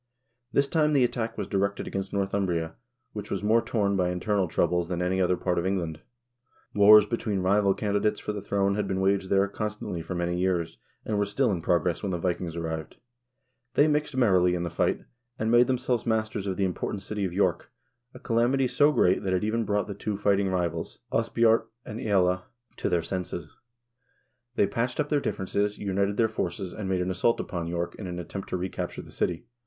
This time the attack was directed against Northumbria, which was more torn by internal troubles than any other part of England. Wars between rival candidates for the throne had been waged there con stantly for many years, and were still in progress when the Vikings arrived. They mixed merrily in the fight, and made themselves masters of the important city of York, a calamity so great that it even brought the two fighting rivals, Osbeorht and ^Ella, to their 1 Two of the Saxon Chronicles, edited by Charles Plummer, p. 64. THE VIKING PERIOD 55 senses. They patched up their differences, united their forces, and made an assault upon York in an attempt to recapture the city.